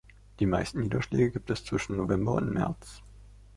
Die meisten Niederschläge gibt es zwischen November und März.